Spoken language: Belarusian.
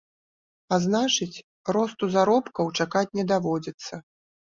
А значыць, росту заробкаў чакаць не даводзіцца.